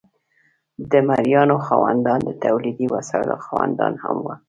د مرئیانو خاوندان د تولیدي وسایلو خاوندان هم وو.